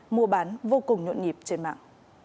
mùa bán vô cùng nhuận nhịp trên mạng